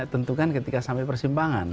tentukan ketika sampai persimpangan